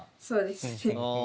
そうですね。